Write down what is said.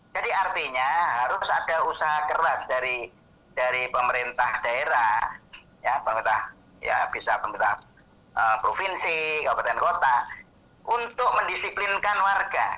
jadi artinya harus ada usaha keras dari pemerintah daerah pemerintah provinsi pemerintah kota untuk mendisiplinkan warga